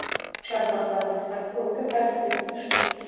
چار مغز د افغانستان په اوږده تاریخ کې ذکر شوی دی.